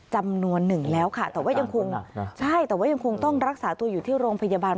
จำนวนหนึ่งแล้วค่ะแต่ว่ายังคงใช่แต่ว่ายังคงต้องรักษาตัวอยู่ที่โรงพยาบาล